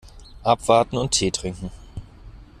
Abwarten und Tee trinken.